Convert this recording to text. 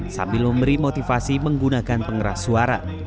sambil memberi motivasi menggunakan pengeras suara